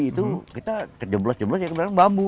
itu kita kejeblos jeblos ya kebanyakan bambu